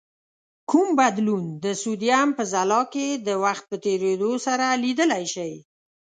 کوم بدلون د سودیم په ځلا کې د وخت په تیرېدو سره لیدلای شئ؟